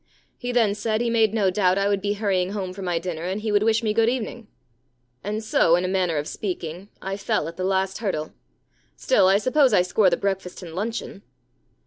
He then said he made no doubt I would be hurry ing home for my dinner, and he would wish 50 The Free Meal Problem me good evening. And so, in a manner of speaking, I fell at the last hurdle. Still, I suppose I score the breakfast and luncheon.